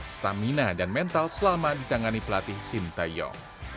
stamina dan mental selama ditangani pelatih sinta yong